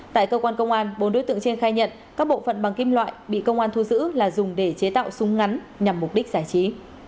tại cơ quan công an bốn đối tượng trên khai nhận các bộ phận bằng kim loại bị công an thu giữ là dùng để chế tạo súng ngắn nhằm mục đích giải trí